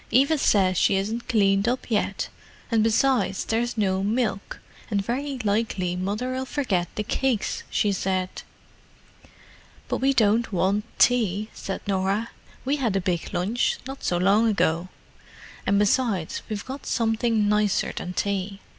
"Eva says she isn't cleaned up yet, and besides, there's no milk, and very likely Mother'll forget the cakes, she said." "But we don't want tea," said Norah. "We had a big lunch, not so long ago. And besides, we've got something nicer than tea.